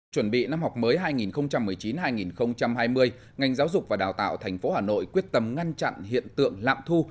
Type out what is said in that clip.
chuẩn bị năm học mới hai nghìn một mươi chín hai nghìn hai mươi ngành giáo dục và đào tạo tp hà nội quyết tâm ngăn chặn hiện tượng lạm thu